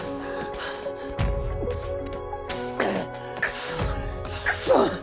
くそくそー！